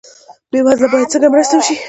بې وزله باید څنګه مرسته شي؟